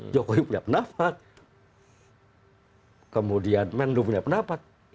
jokowi punya pendapat kemudian mendu punya pendapat